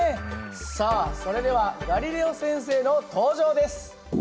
さあそれではガリレオ先生の登場です！